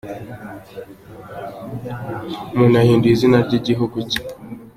Umuntu yahinduye izina ry’igihugu cye